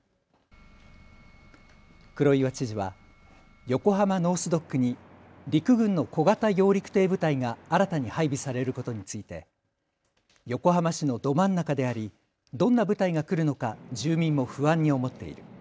黒岩知事は横浜ノース・ドックに陸軍の小型揚陸艇部隊が新たに配備されることについて横浜市のど真ん中であり、どんな部隊が来るのか住民も不安に思っている。